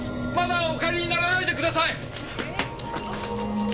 まだお帰りにならないでください！